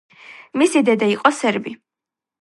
მისი დედა იყო სერბი.